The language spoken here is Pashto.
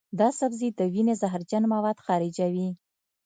دا سبزی د وینې زهرجن مواد خارجوي.